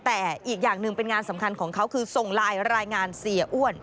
แต่อีกอย่างหนึ่งเป็นงานสำคัญของเขาคือส่งไลน์รายงานเสียอ้วน